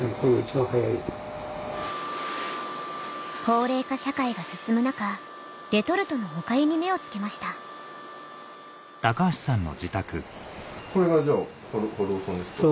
高齢化社会が進む中レトルトのおかゆに目を付けましたこれが治雄さんですか？